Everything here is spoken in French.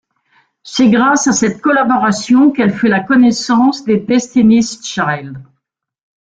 C'est grâce à cette collaboration qu'elle fait la connaissance des Destiny's Child.